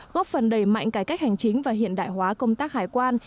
góp phần đầy mạnh cải cách hành chính và hiện đại hóa công tác hải quan